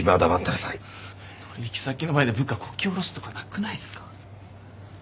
取引先の前で部下こき下ろすとかなくないっすか？